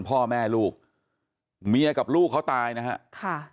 พ่อแม่ลูกเมียกับลูกเขาตายนะฮะค่ะ